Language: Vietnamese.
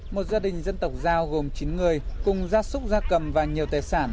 một gia đình dân tộc giao gồm chín người cùng gia súc gia cầm và nhiều tài sản